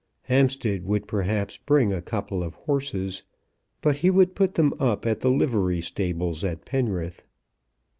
Hampstead would perhaps bring a couple of horses, but he would put them up at the livery stables at Penrith.